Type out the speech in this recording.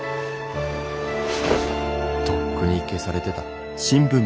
とっくに消されてた。